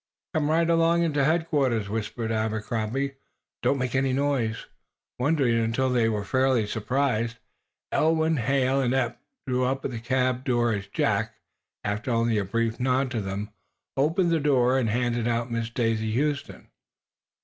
"Come right along into headquarters," whispered Abercrombie. "Don't make any noise." Wondering until they were fairly agape, Ulwin, Hal and Eph drew up at the cab door as Jack, after only a brief nod to them, opened the door and handed out Miss Daisy Huston.